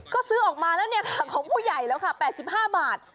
ก็ซื้อออกมาแล้วเนี่ยค่ะของผู้ใหญ่แล้วค่ะ๘๕บาท